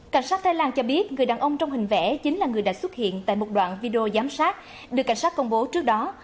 cảnh sát thái lan cho biết người đàn ông trong hình vẽ chính là người đã xuất hiện tại một đoạn video giám sát được cảnh sát công bố trước đó